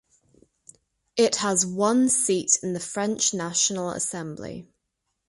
It has one seat in the French National Assembly.